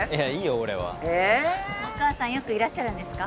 俺はえお母さんよくいらっしゃるんですか？